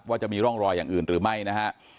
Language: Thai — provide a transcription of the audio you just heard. จะมีร่องรอยอย่างอื่นหรือไม่นะฮะ